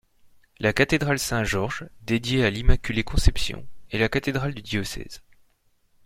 La cathédrale Saint-Georges, dédiée à l'Immaculée Conception, est la cathédrale du diocèse.